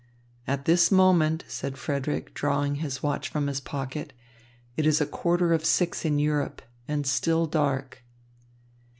"At this moment," said Frederick, drawing his watch from his pocket, "it is quarter of six in Europe, and still dark."